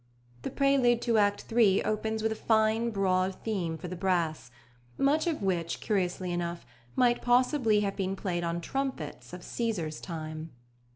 The prelude to Act iii. opens with a fine broad theme for the brass, much of which, curiously enough, might possibly have been played on trumpets of Cæsar's time.